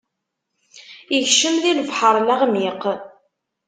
Ikcem di lebḥeṛ leɣmiq.